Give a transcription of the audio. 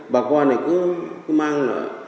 bà con này cứ mang